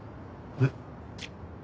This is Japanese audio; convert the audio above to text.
えっ？